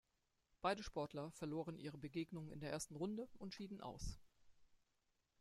Beide Sportler verloren ihre Begegnungen in der ersten Runde und schieden aus.